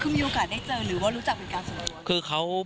คือมีโอกาสได้เจอหรือว่ารู้จักเป็นการส่วนตัว